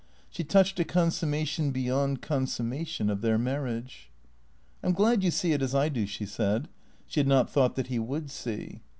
She touched a consummation beyond consummation of their marriage. " I 'm glad you see it as I do," she said. She had not thought that he would see.